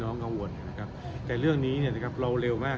เพราะเรื่องนี้คนที่รู้อยู่มี